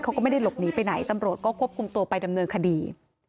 เขาก็ไม่ได้หลบหนีไปไหนตำรวจก็ควบคุมตัวไปดำเนินคดี